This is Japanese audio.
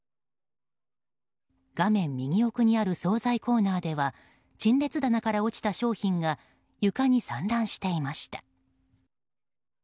画面右奥にある総菜コーナーでは陳列棚から落ちた商品が床に散乱していました。